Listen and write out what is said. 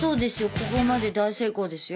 ここまで大成功ですよ。